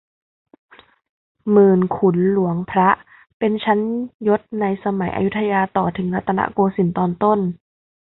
หมื่น ขุน หลวง พระ เป็นชั้นยศในสมัยอยุธยาต่อถึงรัตนโกสินทร์ตอนต้น